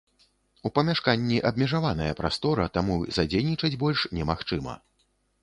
У памяшканні абмежаваная прастора, таму задзейнічаць больш немагчыма.